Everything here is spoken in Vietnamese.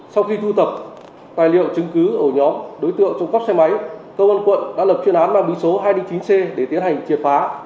sau khi thu tập tài liệu chứng cứ ổ nhóm đối tượng trộn cắp xe máy công an quận đã lập chuyên án mang bí số hai d chín c để tiến hành triệt phá